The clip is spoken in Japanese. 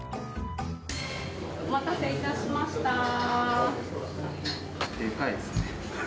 お待たせいたしました。